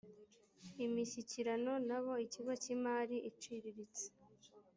imishyikirano n abo ikigo cy imari iciriritse